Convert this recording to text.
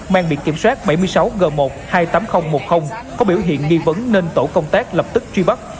mang biệt kiểm soát bảy mươi sáu g một hai mươi tám nghìn một mươi có biểu hiện nghi vấn nên tổ công tác lập tức truy bắt